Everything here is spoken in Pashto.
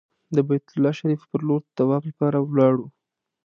د بیت الله شریفې پر لور د طواف لپاره ولاړو.